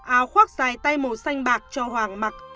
áo khoác dài tay màu xanh bạc cho hoàng mạc